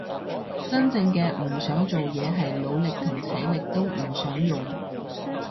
真正嘅唔想做嘢係腦力同體力都唔想用